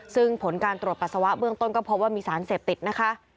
ซึ่งผลการตรวจปัสสาวะเบื้องต้นก็พบว่ามีสารเสพติดนะคะ